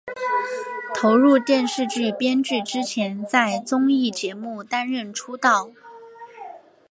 投入电视剧编剧之前在综艺节目担任出道。